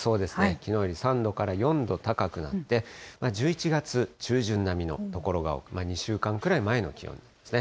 きのうより３度から４度高くなって、１１月中旬並みの所が多く、２週間くらい前の気温ですね。